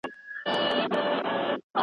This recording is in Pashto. ښوونکي به اوږده موده درس ورکړی وي.